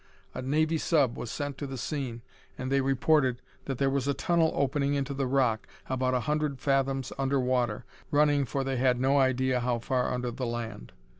A Navy sub was sent to the scene and they reported that there was a tunnel opening into the rock, about a hundred fathoms under water, running for they had no idea how far under the land.